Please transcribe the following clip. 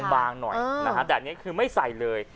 บางหน่อยใบนี้คือไม่ใส่เลย